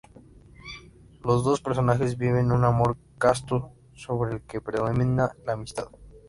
Los dos personajes viven un amor casto, sobre el que predomina la amistad.